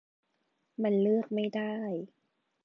มันเลือกไม่ได้